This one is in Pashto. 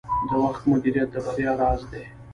د وخت مدیریت د بریا راز دی.